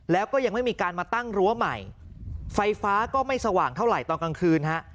แล้วก็ยังไม่มีการมาตั้งรั้วใหม่ไฟฟ้าก็ไม่สว่างเท่าไหร่ตอนกลางคืนฮะ